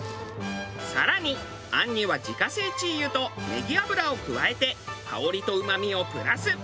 更に餡には自家製鶏油とネギ油を加えて香りとうまみをプラス。